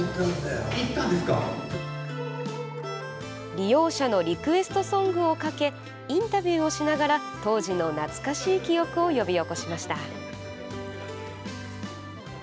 利用者のリクエストソングをかけインタビューをしながら当時の懐かしい記憶を呼び起こしました。